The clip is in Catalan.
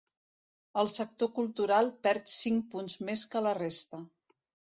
El sector cultural perd cinc punts més que la resta.